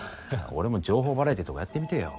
俺も情報バラエティーとかやってみてぇよ。